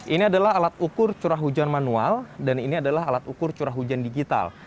ini adalah alat ukur curah hujan manual dan ini adalah alat ukur curah hujan digital